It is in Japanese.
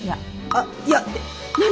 「あっいや」って何？